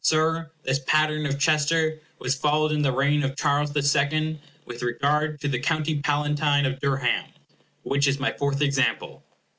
Sir, this pattern of Chester was followed in the reign of Charles the Second with regard to the County Palatine of Durham, which is my fourth example.